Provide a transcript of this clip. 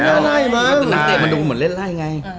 น้ำเตะมันดูเหมือนเล่นไล่ไง